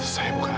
saya bukan ayah